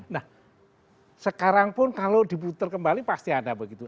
nah sekarang pun kalau diputar kembali pasti ada begitu